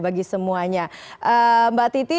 bagi semuanya mbak titi